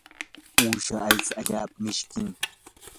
uusha aycha allaapa mishkim.